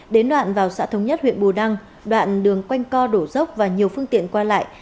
đến đoạn vào xã thống nhất huyện bù đăng đoạn đường quanh co đổ dốc và nhiều phương tiện qua lại